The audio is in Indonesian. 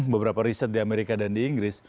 beberapa riset di amerika dan di inggris